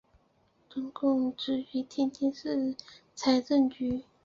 曾供职于天津市财政局。